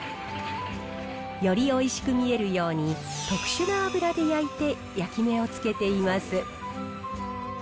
よりおいしく見えるように、特殊な油で焼いて、焼き目をつけています。